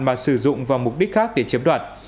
mà sử dụng vào mục đích khác để chiếm đoạt